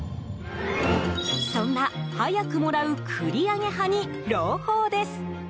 そんな早くもらう繰り上げ派に朗報です。